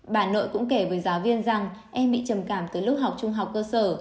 bà nội cũng kể với giáo viên rằng em bị trầm cảm từ lúc học trung học cơ sở